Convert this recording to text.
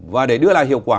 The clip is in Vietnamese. và để đưa lại hiệu quả